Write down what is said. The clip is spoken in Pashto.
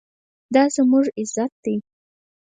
دا زموږ عزت دی؟